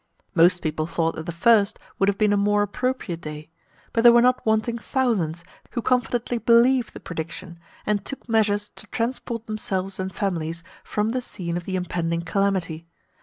Most people thought that the first would have been a more appropriate day; but there were not wanting thousands who confidently believed the prediction, and took measures to transport themselves and families from the scene of the impending calamity.